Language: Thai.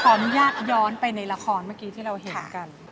ของญาติย้อนไปในละครเมื่อกี้ที่เข้าจะปล่อยไม่ดี